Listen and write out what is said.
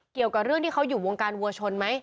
เกี่ยวกับเรื่องที่เขาอยู่วงการวัวชนไหม